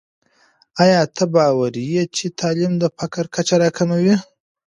آیا ته باوري یې چې تعلیم د فقر کچه راکموي؟